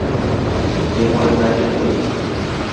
Jeguata ñepyrũ.